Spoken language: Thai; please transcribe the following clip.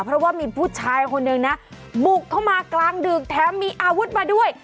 เพราะว่ามีผู้ชายคนหนึ่งนะบุกเข้ามากลางดึกแถมมีอาวุธมาด้วย